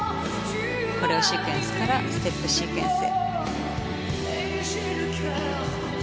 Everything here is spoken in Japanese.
コレオシークエンスからステップシークエンス。